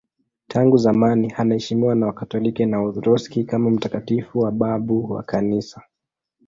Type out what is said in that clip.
Tangu zamani anaheshimiwa na Wakatoliki na Waorthodoksi kama mtakatifu na babu wa Kanisa.